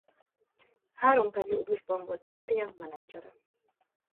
Három periódusban volt a Lorient menedzsere.